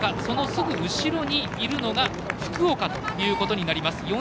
そのすぐ後ろにいるのが福岡ということになります。